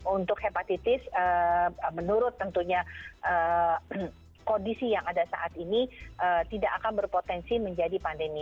untuk hepatitis menurut tentunya kondisi yang ada saat ini tidak akan berpotensi menjadi pandemi